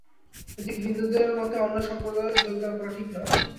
এদিকে হিন্দুদের মতে অন্য সম্প্রদায়ে যোগদান করা ঠিক নয়।